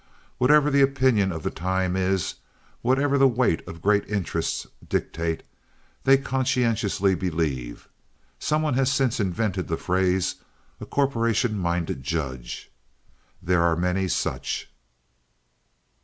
Whatever the opinion of the time is, whatever the weight of great interests dictates, that they conscientiously believe. Some one has since invented the phrase "a corporation minded judge." There are many such.